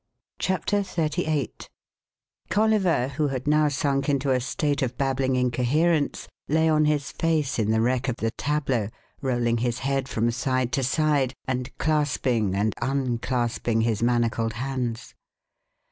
CHAPTER XXXVIII Colliver, who had now sunk into a state of babbling incoherence, lay on his face in the wreck of the tableau, rolling his head from side to side and clasping and unclasping his manacled hands.